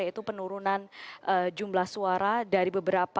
yaitu penurunan jumlah suara dari beberapa